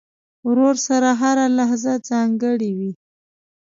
ورور سره هره لحظه ځانګړې وي.